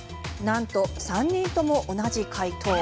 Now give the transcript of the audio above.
なんと３人とも同じ回答。